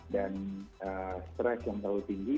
dan stress yang terlalu tinggi